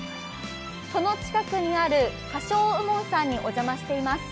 その近くにある菓匠右門さんにお邪魔しています。